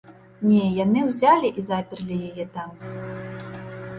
Не, яны ўзялі і заперлі яе там.